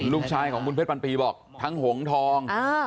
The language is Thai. ลูกชายของคุณเพชรพันปีบอกทั้งหงทอง